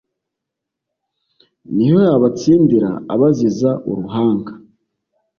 niho yabatsindira abaziza uruhanga